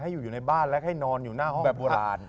อยู่ในบ้านและให้นอนอยู่หน้าห้องแบบโบราณ